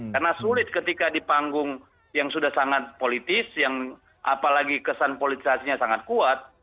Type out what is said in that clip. karena sulit ketika di panggung yang sudah sangat politis yang apalagi kesan politisasinya sangat kuat